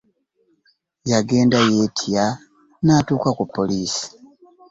Yagenda yeetya n'atuuka ku poliisi.